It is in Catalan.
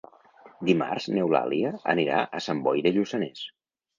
Dimarts n'Eulàlia anirà a Sant Boi de Lluçanès.